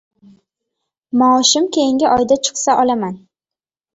Maoshim keyingi oyda chiqsa olaman